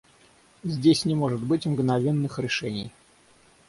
Здесь не может быть мгновенных решений.